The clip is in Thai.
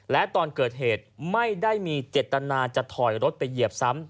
และตอนเกิดเหตุไม่ได้มีเจตนาจะถอยรถไปเหยียบซ้ำ